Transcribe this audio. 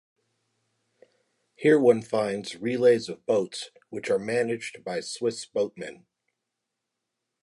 Here one finds relays of boats, which are managed by Swiss boatmen.